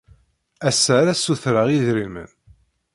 Ass-a ara ssutreɣ idrimen.